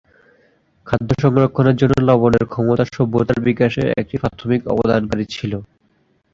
খাদ্য সংরক্ষণের জন্য লবণের ক্ষমতা সভ্যতার বিকাশে একটি প্রাথমিক অবদানকারী ছিল।